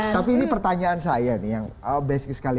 tapi ini pertanyaan saya nih yang basic sekali